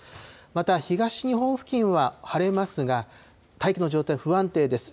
また、東日本付近は晴れますが、大気の状態、不安定です。